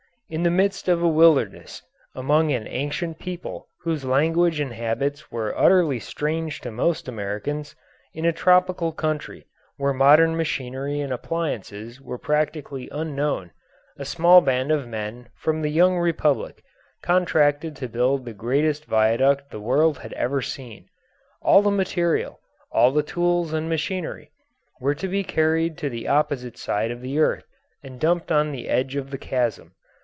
] In the midst of a wilderness, among an ancient people whose language and habits were utterly strange to most Americans, in a tropical country where modern machinery and appliances were practically unknown, a small band of men from the young republic contracted to build the greatest viaduct the world had ever seen. All the material, all the tools and machinery, were to be carried to the opposite side of the earth and dumped on the edge of the chasm.